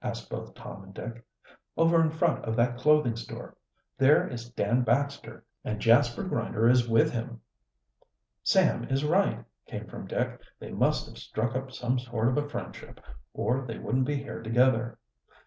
asked both Tom and Dick. "Over in front of that clothing store. There is Dan Baxter, and Jasper Grinder is with him!" "Sam is right," came from Dick. "They must have struck up some sort of a friendship, or they wouldn't be here together."